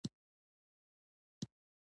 د څرمنې او ښیښو جوړولو کارخانې تاسیس شوې.